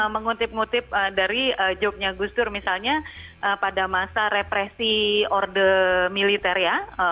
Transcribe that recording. mengutip ngutip dari joke nya gus dur misalnya pada masa represi orde militer ya